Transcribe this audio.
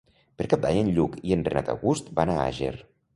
Per Cap d'Any en Lluc i en Renat August van a Àger.